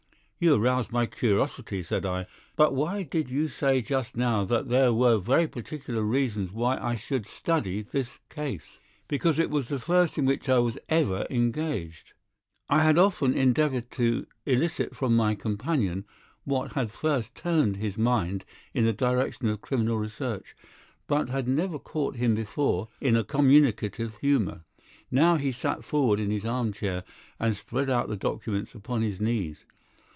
"You arouse my curiosity," said I. "But why did you say just now that there were very particular reasons why I should study this case?" "Because it was the first in which I was ever engaged." I had often endeavoured to elicit from my companion what had first turned his mind in the direction of criminal research, but had never caught him before in a communicative humour. Now he sat forward in this armchair and spread out the documents upon his knees.